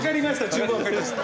十分わかりました。